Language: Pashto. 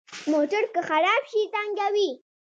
موټر که خراب شي، تنګوي.